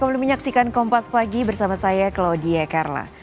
kembali menyaksikan kompas pagi bersama saya claudia karla